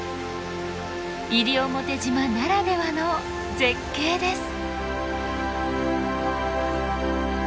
西表島ならではの絶景です。